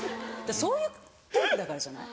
そういうタイプだからじゃない？